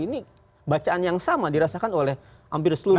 ini bacaan yang sama dirasakan oleh hampir seluruh